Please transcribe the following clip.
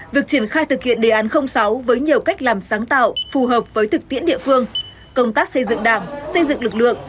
việc triển khai thực hiện đề án sáu với nhiều cách làm sáng tạo phù hợp với thực tiễn địa phương công tác xây dựng đảng xây dựng lực lượng